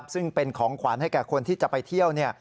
ซึ่งเป็นของขวัญให้แก่คนที่จะไปเที่ยว